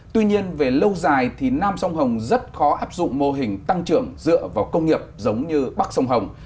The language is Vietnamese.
tuy nhiên về lâu dài thì nam sông hồng rất khó áp dụng mô hình tăng trưởng dựa vào công nghiệp giống như bắc sông hồng